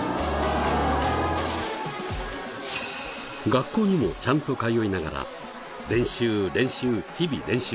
学校にもちゃんと通いながら練習練習日々練習。